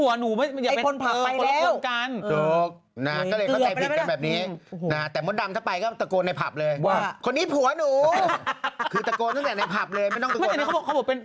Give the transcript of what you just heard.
วิ่งหนีเลยเขากลัวหน้าโดนลูกหลงไงไปออกก่อนเลยหลังร้าน